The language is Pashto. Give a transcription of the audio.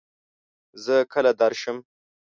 زۀ کله درشم ؟